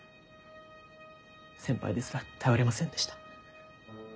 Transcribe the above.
先輩ですら頼れませんでした。